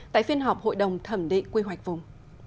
tại phiên họp hội đồng thẩm định quy hoạch vùng